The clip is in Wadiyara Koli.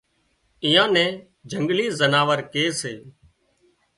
ايئان نين جنگلي زناور ڪي سي